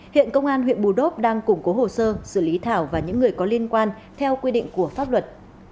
hiện công an huyện bù đốp đang củng cố hồ sơ xử lý thảo và những người có liên quan theo quy định của pháp luật